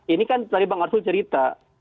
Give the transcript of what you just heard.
ini kan tadi pak ngarstul cerita